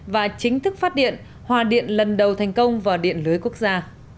và chính thức phát điện hòa điện lần đầu thành công vào điện lưới quốc gia